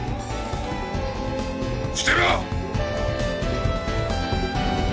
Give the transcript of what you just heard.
捨てろ！